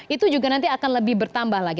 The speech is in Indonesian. itu juga nanti akan lebih bertambah lagi